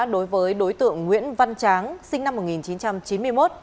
đối với đối tượng nguyễn văn tráng sinh năm một nghìn chín trăm chín mươi một